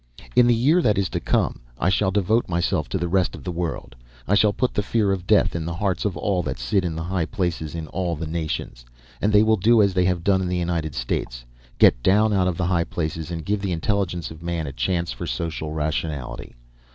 "In the year that is to come I shall devote myself to the rest of the world. I shall put the fear of death in the hearts of all that sit in the high places in all the nations. And they will do as they have done in the United States get down out of the high places and give the intelligence of man a chance for social rationality.